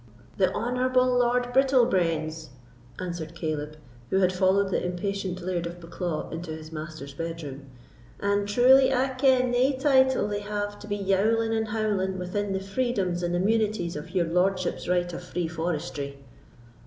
"The Honourable Lord Bittlebrains'," answered Caleb, who had followed the impatient Laird of Bucklaw into his master's bedroom, "and truly I ken nae title they have to be yowling and howling within the freedoms and immunities of your lordship's right of free forestry."